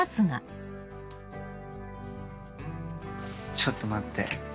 ちょっと待って。